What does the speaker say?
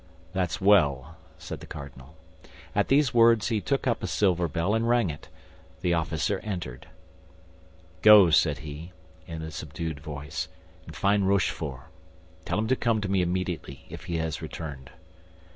"That's well," said the cardinal. At these words he took up a silver bell, and rang it; the officer entered. "Go," said he, in a subdued voice, "and find Rochefort. Tell him to come to me immediately, if he has returned."